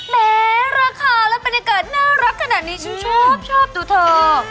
แม้ราคาและบรรยากาศน่ารักขนาดนี้ฉันชอบชอบดูเธอ